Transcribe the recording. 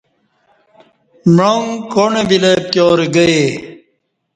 معانگ کاݨہ ویلہ پتیارہ گہ یے